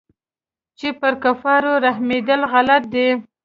چې پر كفارو رحمېدل غلط دي.